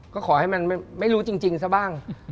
ก็ขอให้มันไม่รู้จริงซะบ้าง